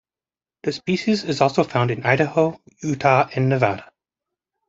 The species is also found in Idaho, Utah and Nevada.